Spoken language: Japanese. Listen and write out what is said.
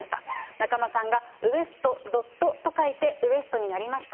中間さんが、ウエストドットと書いてＷＥＳＴ．になりました。